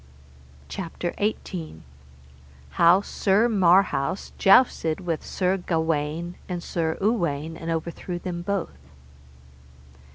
CHAPTER XVIII. How Sir Marhaus jousted with Sir Gawaine and Sir Uwaine, and overthrew them both.